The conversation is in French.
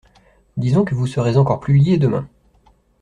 Disons que vous serez encore plus liée demain.